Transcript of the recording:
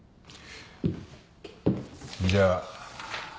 じゃあ。